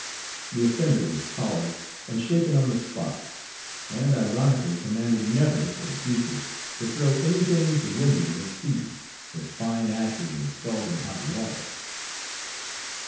The offender was collared, and shaken on the spot; and ironically commanded, never, for the future, to throw any thing to windward at sea, but fine ashes and scalding hot water.